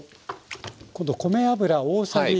今度米油大さじ２３。